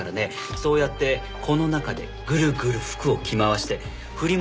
そうやってこの中でぐるぐる服を着回してフリマ